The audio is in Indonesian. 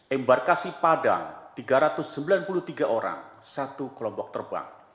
embarkasi padang tiga ratus sembilan puluh tiga orang satu kelompok terbang